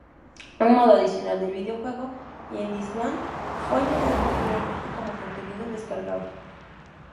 Un modo adicional del videojuego, "Indie Island", fue añadido posteriormente como contenido descargable.